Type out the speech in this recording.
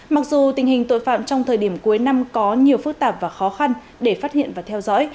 mặc dù tình hình tội phạm trong thời điểm cuối năm có nhiều phức tạp và khó khăn để phát hiện và theo dõi